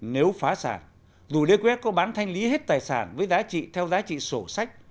nếu phá sản dù lê quyết có bán thanh lý hết tài sản với giá trị theo giá trị sổ sách